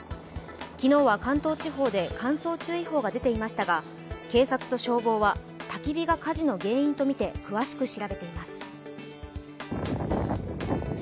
昨日は関東地方で乾燥注意報が出ていましたが、警察と消防はたき火が火事の原因とみて詳しく調べています。